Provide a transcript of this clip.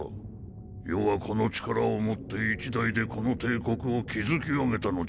余はこの力をもって一代でこの帝国を築き上げたのじゃ。